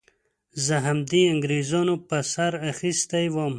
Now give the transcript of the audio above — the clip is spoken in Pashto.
زه همدې انګېرنو په سر اخیستی وم.